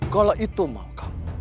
kalau itu mau kamu